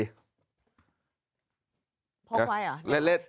พกไว้เหรอ